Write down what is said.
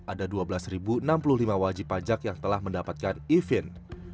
ada dua belas enam puluh lima wajib pajak yang telah mendapatkan izin